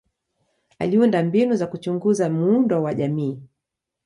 Aliunda mbinu za kuchunguza muundo wa jamii.